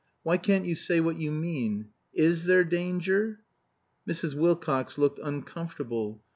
"Why can't you say what you mean? Is there danger?" Mrs. Wilcox looked uncomfortable.